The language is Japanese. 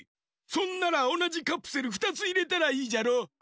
そんならおなじカプセル２ついれたらいいじゃろ！